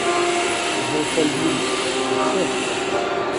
Ce bon Folleville !… ce cher Folleville !